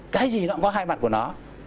cái gì nó cũng có hai mặt của nó